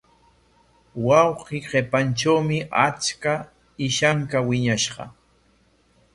Wasi qipantrawmi achka ishanka wiñashqa.